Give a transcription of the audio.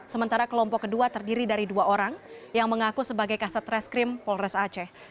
sementara kelompok kedua terdiri dari dua orang yang mengaku sebagai kasat reskrim polres aceh